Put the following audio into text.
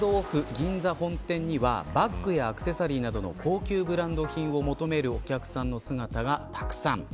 銀座本店にはバッグやアクセサリーなどの高級ブランド品を求めるお客さんの姿がたくさん。